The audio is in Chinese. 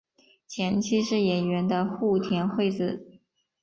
前妻是演员的户田惠子。